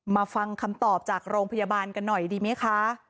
ฟังคำตอบจากโรงพยาบาลกันหน่อยดีไหมคะ